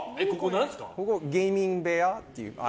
ここゲーミング部屋っていう。